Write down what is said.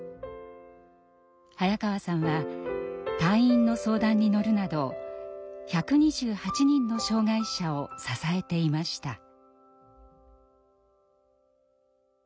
早川さんは退院の相談に乗るなど１２８人の障害者を支えていました。